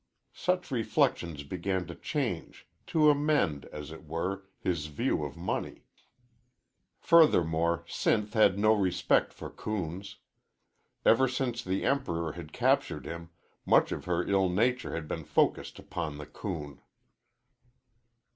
Such reflections began to change to amend, as it were his view of money. Furthermore, Sinth had no respect for coons. Ever since the Emperor had captured him, much of her ill nature had been focussed upon the coon.